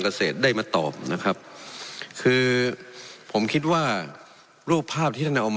เกษตรได้มาตอบนะครับคือผมคิดว่ารูปภาพที่ท่านเอามา